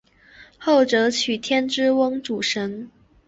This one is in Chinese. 后者娶天之瓮主神。